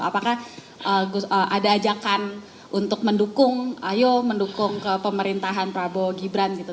apakah ada ajakan untuk mendukung ayo mendukung pemerintahan prabowo gibran gitu